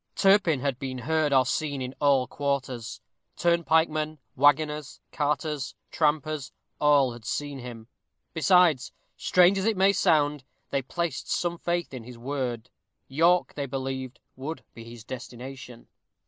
Turpin had been heard or seen in all quarters. Turnpike men, waggoners, carters, trampers, all had seen him. Besides, strange as it may sound, they placed some faith in his word. York they believed would be his destination.